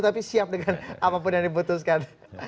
tapi siap dengan apapun yang diputuskan